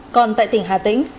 còn tại tỉnh hà tĩnh